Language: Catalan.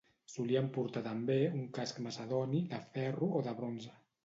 Solien portar també un casc macedoni de ferro o de bronze.